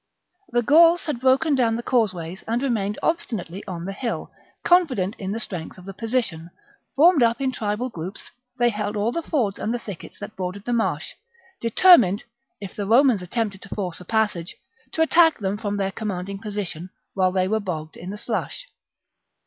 The Gauls had broken down strongly "^^ posted. the causeways and remained obstinately on the hill, confident in the strength of the position ; formed up in tribal groups, they held all the fords and the thickets that bordered the marsh,^ determined, if the Romans attempted to force a passage, to attack them from their commanding position while they were bogged in the slush.